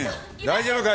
大丈夫か？